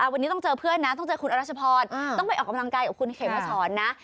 วันนี้ต้องเจอเพื่อนนะต้องเจอคุณอรัชพรต้องไปออกกำลังกายกับคุณเขมมาสอนนะ